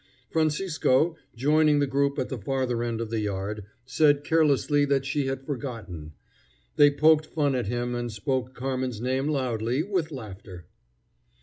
Francisco, joining the group at the farther end of the yard, said carelessly that she had forgotten. They poked fun at him and spoke Carmen's name loudly, with laughter.